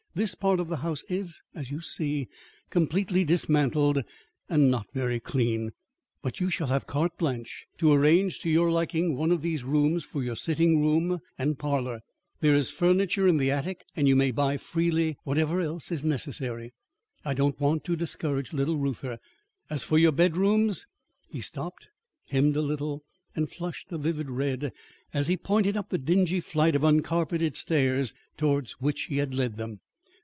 "This part of the house is, as you see, completely dismantled and not very clean. But you shall have carte blanche to arrange to your liking one of these rooms for your sitting room and parlour. There is furniture in the attic and you may buy freely whatever else is necessary. I don't want to discourage little Reuther. As for your bedrooms " He stopped, hemmed a little and flushed a vivid red as he pointed up the dingy flight of uncarpeted stairs towards which he had led them.